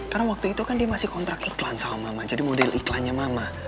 karena waktu itu kan dia masih kontrak iklan sama mama jadi model iklannya mama